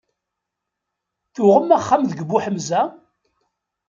Tuɣem axxam deg Buḥemza?